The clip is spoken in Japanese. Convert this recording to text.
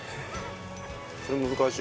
それ難しい。